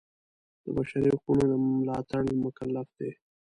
د بشري حقونو د ملاتړ مکلف دی.